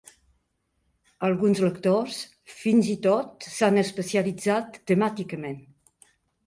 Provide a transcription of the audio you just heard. Alguns lectors fins i tot s'han especialitzat temàticament.